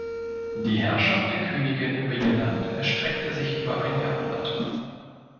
Die Herrschaft der Königin über ihr Land erstreckte sich über ein Jahrhundert.